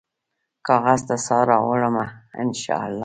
کاغذ ته سا راوړمه ، ان شا الله